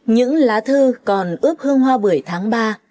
những lá thư còn ướp hương hoa bưởi tháng ba